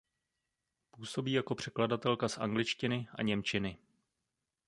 Působí jako překladatelka z angličtiny a němčiny.